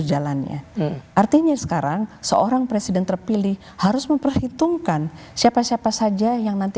jalannya artinya sekarang seorang presiden terpilih harus memperhitungkan siapa siapa saja yang nanti